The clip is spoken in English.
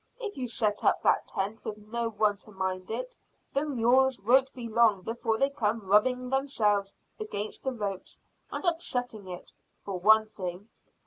If you set up that tent with no one to mind it, the mules won't be long before they come rubbing themselves against the ropes and upsetting it, for one thing.